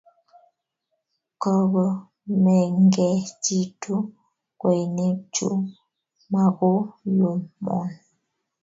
Kogo mengechitu kweinik chuk, makoyomon